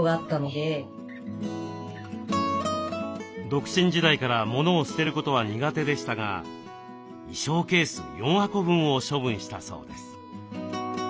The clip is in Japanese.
独身時代からモノを捨てることは苦手でしたが衣装ケース４箱分を処分したそうです。